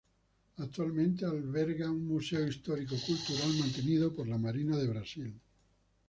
Actualmente alberga un museo histórico-cultural, mantenido por la Marina de Brasil.